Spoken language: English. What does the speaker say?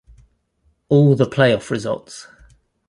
All the play-off results.